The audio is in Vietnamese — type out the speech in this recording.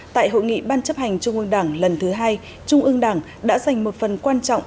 tại hội nghị ban chấp hành trung ương đảng lần thứ hai trung ương đảng đã dành một phần quan trọng